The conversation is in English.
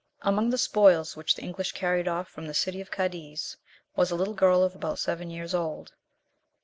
Among the spoils which the English carried off from the city of Cadiz, was a little girl of about seven years old.